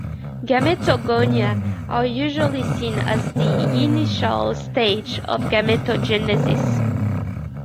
Gametogonia are usually seen as the initial stage of gametogenesis.